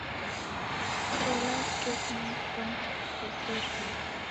Cho law'uke kunikua nikikuw'eseria